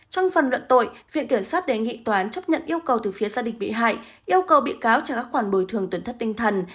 trong phần luận tội viện kiểm sát đề nghị tòa án chấp nhận yêu cầu từ phía gia đình bị hại yêu cầu bị cáo trả các khoản bồi thường tuyển thất tinh thần